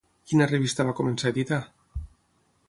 Quina revista va començar a editar?